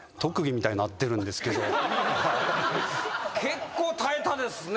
結構たえたですね